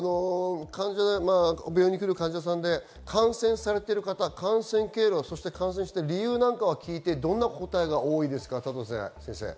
病院に来る患者さんで感染されている方、経路、理由なんかは聞いてどんな答えが多いですか？